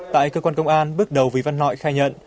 tại cơ quan công an bước đầu vì văn nội khai nhận